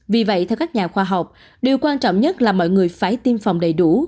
vì vậy theo các nhà khoa học điều quan trọng nhất là mọi người phải tiêm phòng đầy đủ